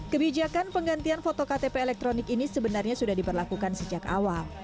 kebijakan penggantian foto ktp elektronik ini sebenarnya sudah diberlakukan sejak awal